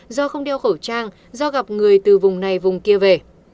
do không đeo khẩu trang do gặp người từ vùng này vùng kia về